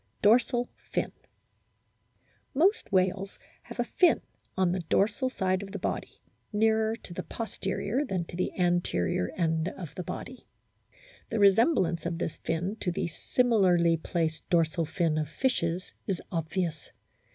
DORSAL FIN Most whales have a fin on the dorsal side of the body, nearer to the posterior than to the anterior end of the body. The resemblance of this fin to the similarly placed dorsal fin of fishes is obvious.